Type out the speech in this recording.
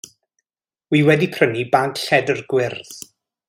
Wi wedi prynu bag lledr gwyrdd.